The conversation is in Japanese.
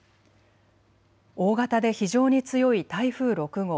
大型で非常に強い台風６号。